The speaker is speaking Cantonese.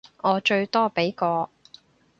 我最多畀個